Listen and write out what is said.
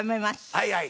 はいはい。